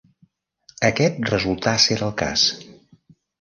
Aquest resultà ser el cas.